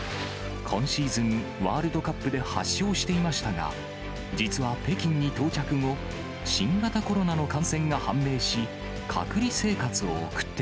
今シーズンワールドカップで８勝していましたが、実は北京に到着後、新型コロナの感染が判明